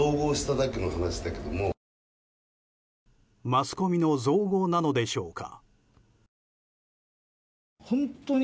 マスコミの造語なのでしょうか。